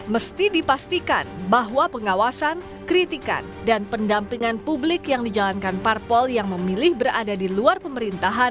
mesti dipastikan bahwa pengawasan kritikan dan pendampingan publik yang dijalankan parpol yang memilih berada di luar pemerintahan